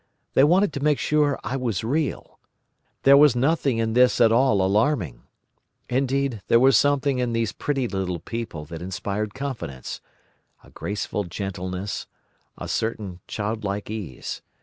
They wanted to make sure I was real. There was nothing in this at all alarming. Indeed, there was something in these pretty little people that inspired confidence—a graceful gentleness, a certain childlike ease.